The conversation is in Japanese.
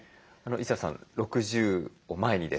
一田さん６０を前にですね